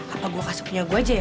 apa gue kasuknya gue aja ya